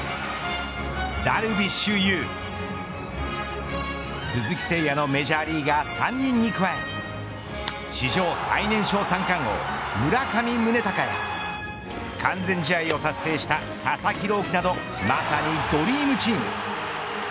ダルビッシュ有鈴木誠也のメジャーリーガー３人に加えて史上最年少三冠王村上宗隆や完全試合を達成した佐々木朗希などまさにドリームチーム。